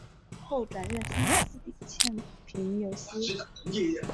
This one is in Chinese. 后转任三司理欠凭由司。